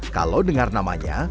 kalau dengar namanya